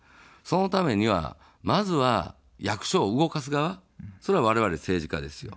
そのためには、まずは役所を動かす側、それはわれわれ政治家ですよ。